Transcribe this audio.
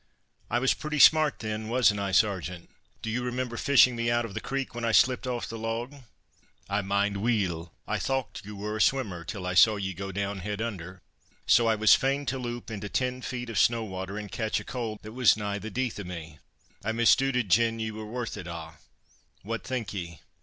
"I was pretty smart then, wasn't I, Sergeant? Do you remember fishing me out of the creek, when I slipped off the log?" "I mind weel, I thocht you were a swimmer, till I saw ye go down, head under; so I was fain to loup into ten feet of snow water and catch a cold that was nigh the deeth o' me. I misdooted gin ye were worth it a'! What think ye?"